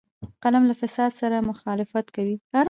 قلم له فساد سره مخالفت کوي